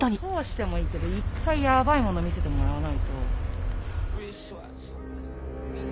通してもいいけど一回やばいもの見せてもらわないと。